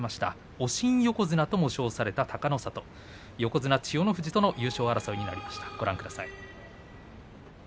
おしん横綱とも称された隆の里横綱千代の富士との優勝争いになりました。